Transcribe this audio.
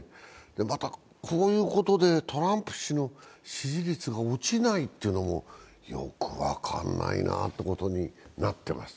またこういうことでトランプ氏の支持率が落ちないというのもよく分かんないなってことになってます。